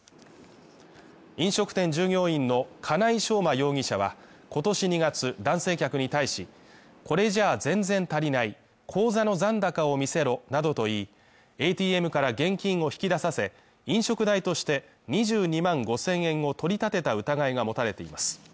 飲食店従業員の金井将馬容疑者は今年２月、男性客に対しこれじゃ全然足りない口座の残高を見せろなどと言い、ＡＴＭから現金を引き出させ、飲食代として２２万５０００円を取り立てた疑いが持たれています。